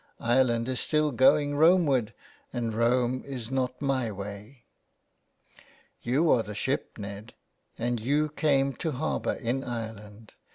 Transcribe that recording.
Ireland is still going Rome ward, and Rome is not my way." '' You are the ship, Ned, and you came to harbour in Ireland.